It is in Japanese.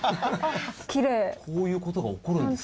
こういう事が起こるんですか。